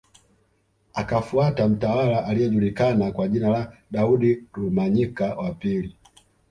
Akafuata mtawala aliyejulikana kwa jina la Daudi Rumanyika wa pili